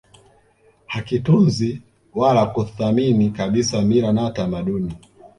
hakitunzi wala kuthamini kabisa mila na tamaduni